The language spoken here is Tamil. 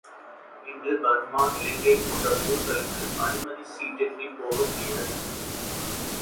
இன்று பர்மா, இலங்கை போன்ற ஊர்களுக்கும் அனுமதிச் சீட்டின்றிப் போகமுடியாது.